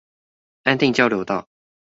安定交流道